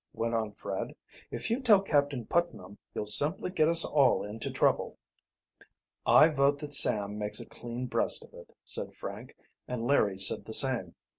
went on Fred. "If you tell Captain Putnam you'll simply get us all into trouble." "I vote that Sam makes a clean breast of it," said Frank, and Larry said the same.